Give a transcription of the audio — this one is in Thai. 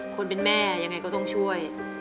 คนเป็นแม่ยังไงก็ต้องช่วย